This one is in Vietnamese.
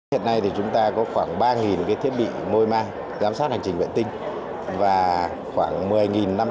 hiện nay thì chúng ta có khoảng ba cái thiết bị môi ma